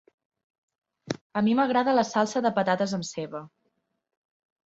A mi m'agrada la salsa de patates amb ceba.